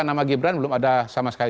nama gibran belum ada sama sekali